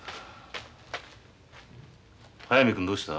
速水君どうした？